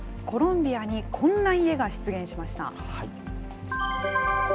コロンビアにこんな家が出現しました。